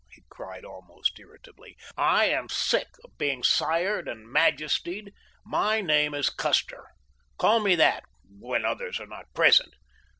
he cried almost irritably. "I am sick of being 'sired' and 'majestied'—my name is Custer. Call me that when others are not present.